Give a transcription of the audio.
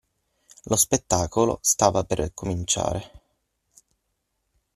Lo spettacolo stava per cominciare.